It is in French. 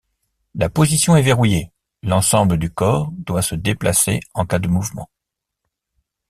La position est verrouillée, l'ensemble du corps doit se déplacer en cas de mouvement.